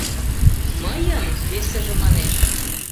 — Мыйын! — весыже манеш.